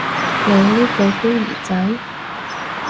你呢個孤兒仔